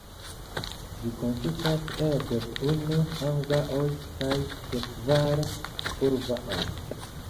Ĝi konsistas el dek unu "anga-oj" kaj dek kvar "purva-oj".